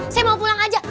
saya mau pulang aja